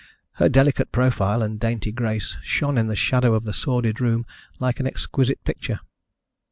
Her delicate profile and dainty grace shone in the shadow of the sordid room like an exquisite picture.